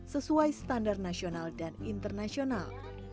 sesuai standar nasional dan internasional